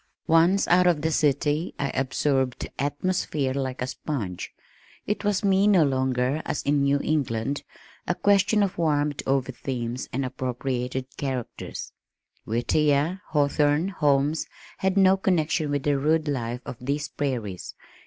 Once out of the city, I absorbed "atmosphere" like a sponge. It was with me no longer (as in New England) a question of warmed over themes and appropriated characters. Whittier, Hawthorne, Holmes, had no connection with the rude life of these prairies.